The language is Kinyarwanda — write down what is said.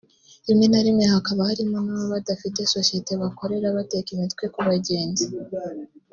rimwe na rimwe hakaba harimo n’ababa badafite sosiyete bakorera bateka imitwe ku bagenzi